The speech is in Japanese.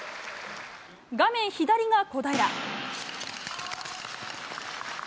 画面左が小平。